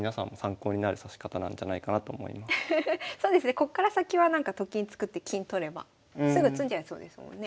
こっから先はと金作って金取ればすぐ詰んじゃいそうですもんね。